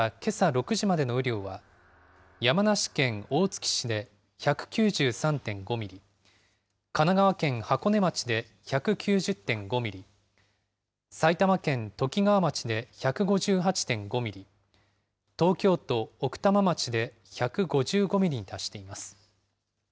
６時までの雨量は、山梨県大月市で１９３．５ミリ、神奈川県箱根町で１９０．５ミリ、埼玉県ときがわ町で１５８．５ミリ、東京都奥多摩町で１５５ミリに達しています。